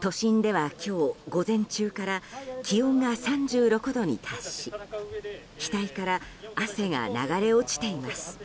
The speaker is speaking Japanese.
都心では今日、午前中から気温が３６度に達し額から汗が流れ落ちています。